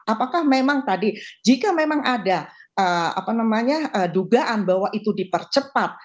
apakah memang tadi jika memang ada dugaan bahwa itu dipercepat